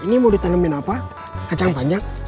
ini mau ditanemin apa kacang panjang